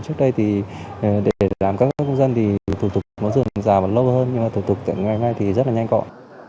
trước đây thì để làm căn cước công dân thì thủ tục nó dồn rào và lâu hơn nhưng mà thủ tục ngày hôm nay thì rất là nhanh gọn